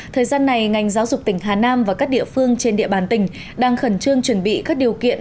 thời gian này ngành giáo dục tỉnh hà nam và các địa phương trên địa bàn tỉnh đang khẩn trương chuẩn bị các điều kiện